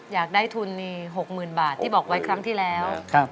อยากได้ทุน๖๐๐๐บาทที่บอกไว้ครั้งที่แล้ว